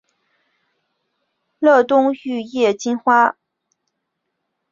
乐东玉叶金花为茜草科玉叶金花属下的一个种。